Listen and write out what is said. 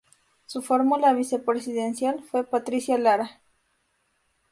Su fórmula vicepresidencial fue Patricia Lara.